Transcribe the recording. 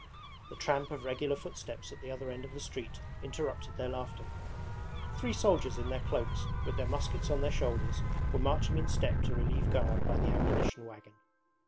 The tramp of regular footsteps at the other end of the street interrupted their laughter. Three soldiers in their cloaks, with their muskets on their shoulders, were marching in step to relieve guard by the ammunition wagon.